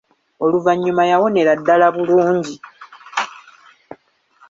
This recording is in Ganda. Oluvanyuma yawonera ddala bulungi.